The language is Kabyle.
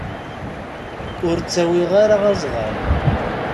Ur ttawiɣ ara azɣal.